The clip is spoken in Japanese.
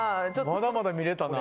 まだまだ見れたな。